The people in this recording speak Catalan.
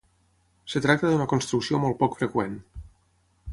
Es tracta d'una construcció molt poc freqüent.